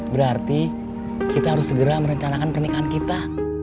berarti kita harus segera merencanakan pernikahan kita